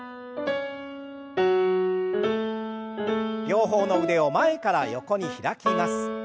両方の腕を前から横に開きます。